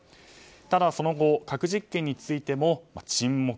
ただその後核実験についても沈黙。